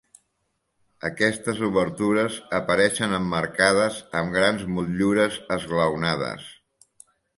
Aquestes obertures apareixen emmarcades amb grans motllures esglaonades.